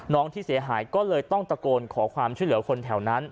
ที่เสียหายก็เลยต้องตะโกนขอความช่วยเหลือคนแถวนั้น